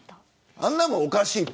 あんなもんはおかしいと。